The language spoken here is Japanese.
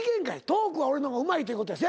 トークは俺の方がうまいということや。